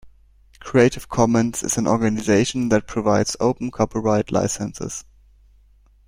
Creative Commons is an organisation that provides open copyright licences